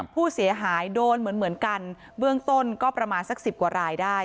ผู้เสียหายโดนเหมือนกันเบื้องต้นก็ประมาณสัก๑๐กว่ารายได้